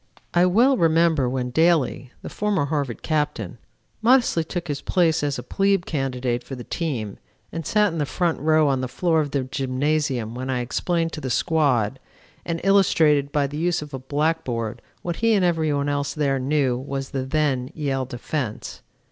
I well remember when Daly, the former Harvard Captain, modestly took his place as a plebe candidate for the team and sat in the front row on the floor of the gymnasium when I explained to the squad, and illustrated by the use of a blackboard, what he and every one else there knew was the then Yale defense.